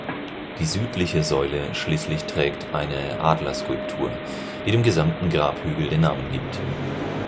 Die südliche Säule schließlich trägt eine Adler-Skulptur, die dem gesamten Grabhügel den Namen gibt.